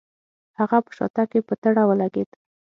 هغه په شاتګ کې په تړه ولګېد.